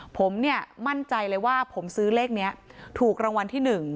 ผมเนี่ยมั่นใจเลยว่าผมซื้อเลขนี้ถูกรางวัลที่๑